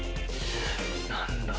何だ？